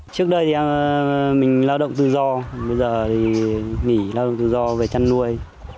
trước đây mình lao động tự do bây giờ thì nghỉ lao động tự do về chăn nuôi